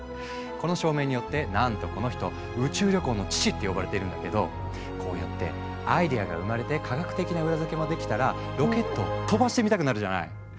この証明によってなんとこの人「宇宙旅行の父」って呼ばれているんだけどこうやってアイデアが生まれて科学的な裏付けもできたらロケットを飛ばしてみたくなるじゃない？